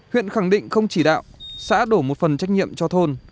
huyện khẳng định không chỉ đạo xã đổ một phần trách nhiệm cho thôn